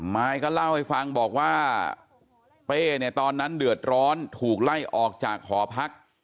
มายก็เล่าให้ฟังบอกว่าเป้เนี่ยตอนนั้นเดือดร้อนถูกไล่ออกจากหอพัก